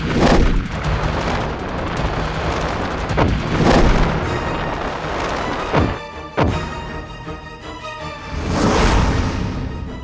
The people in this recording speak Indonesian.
kau tidak bisa mencari hamba